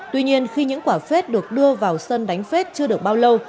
tuy nhiên khi những quả phết được đưa vào sân đánh phết chưa được bao lâu